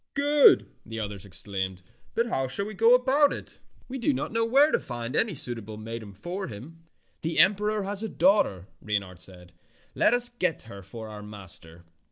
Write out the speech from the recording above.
'^ "Good!" the others exclaimed, "but how shall we go about it? We do not know where to find any suitable maiden for him." "The emperor has a daughter," Reynard said. "Let us get her for our master.